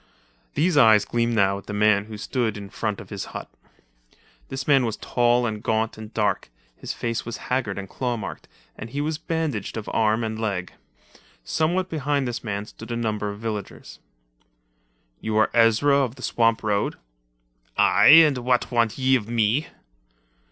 These eyes gleamed now at the man who stood in front of his hut. This man was tall and gaunt and dark, his face was haggard and claw marked, and he was bandaged of arm and leg. Somewhat behind this man stood a number of villagers. "You are Ezra of the swamp road?" "Aye, and what want ye of me?"